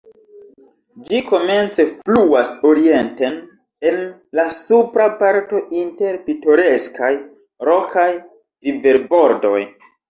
Ĝi komence fluas orienten, en la supra parto inter pitoreskaj, rokaj riverbordoj.